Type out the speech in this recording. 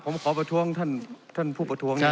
ผมขอประทวงท่านท่านผู้ประทวง